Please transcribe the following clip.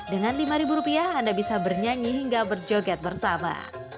dengan rp lima anda bisa bernyanyi hingga berjoget bersama